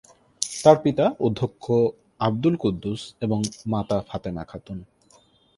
তার পিতা অধ্যক্ষ আব্দুল কুদ্দুস এবং মাতা ফাতেমা খাতুন।